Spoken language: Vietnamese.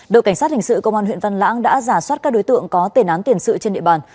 đội cảnh sát hình sự công an huyện văn lãng đã giả soát các đối tượng có tên án tiền sự trên địa bàn